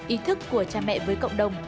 ý thức của cha mẹ với cộng đồng